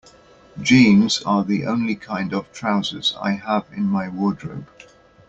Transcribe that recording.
Jeans are the only kind of trousers I have in my wardrobe.